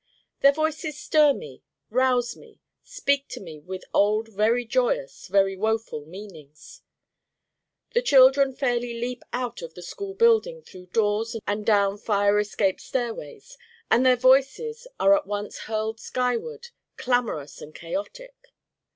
Their Voices stir me, rouse me, speak to me with old very joyous, very woful meanings. The children fairly leap out of the school building through doors and down fire escape stairways. And their Voices are at once hurled skyward, clamorous and chaotic.